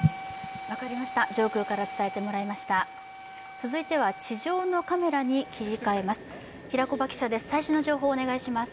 続いては地上のカメラに切り替えます。